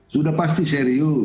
sudah pasti serius